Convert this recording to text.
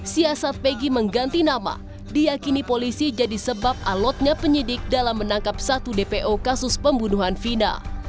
siasat pegi mengganti nama diakini polisi jadi sebab alotnya penyidik dalam menangkap satu dpo kasus pembunuhan vina